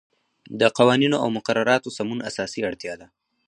د قوانینو او مقرراتو سمون اساسی اړتیا ده.